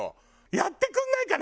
やってくれないかな？